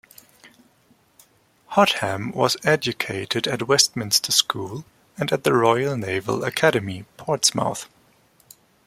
Hotham was educated at Westminster School and at the Royal Naval Academy, Portsmouth.